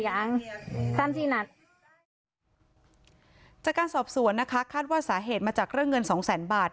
ยังตามที่นัดจากการสอบสวนนะคะคาดว่าสาเหตุมาจากเรื่องเงินสองแสนบาท